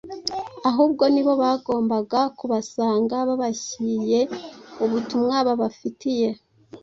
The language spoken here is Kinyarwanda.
ahubwo nibo bagombaga kubasanga babashyiye ubutumwa babafitiye.